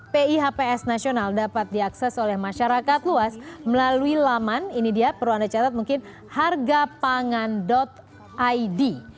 pihps nasional dapat diakses oleh masyarakat luas melalui laman ini dia peruan dicatat mungkin hargapangan id